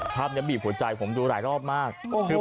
ภาพนี้บีบหัวใจผมดูหลายรอบมาก